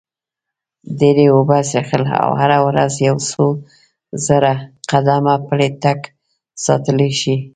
ډېرې اوبه څښل او هره ورځ یو څو زره قدمه پلی تګ ساتلی شي.